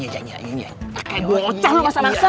cah lu masa masa